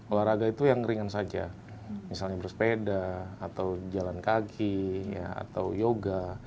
olahraga itu yang ringan saja misalnya bersepeda atau jalan kaki atau yoga